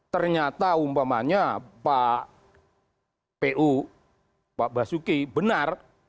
ternyata umpamanya pak pu pak basuki benar